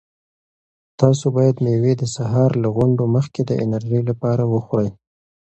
تاسو باید مېوې د سهار له غونډو مخکې د انرژۍ لپاره وخورئ.